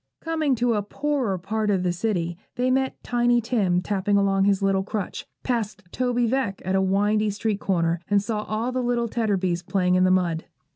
Coming to a poorer part of the city, they met Tiny Tim tapping along on his little crutch, passed Toby Veck at a windy street corner, and saw all the little Tetterbys playing in the mud.